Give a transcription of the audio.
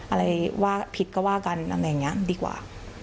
อะไรว่าผิดก็ว่ากันดีกว่า